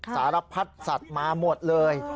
สารพัดสัตว์มาหมดเลย